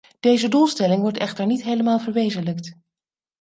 Deze doelstelling wordt echter niet helemaal verwezenlijkt.